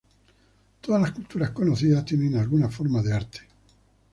Todas las culturas conocidas tienen alguna forma de arte.